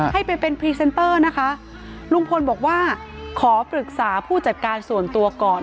ให้ไปเป็นพรีเซนเตอร์นะคะลุงพลบอกว่าขอปรึกษาผู้จัดการส่วนตัวก่อน